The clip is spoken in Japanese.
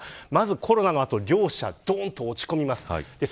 コロナの後、両者どんと落ち込みます。